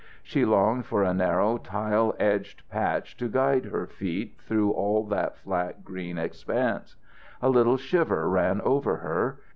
She longed for a narrow, tile edged patch to guide her feet through all that flat green expanse. A little shiver ran over her.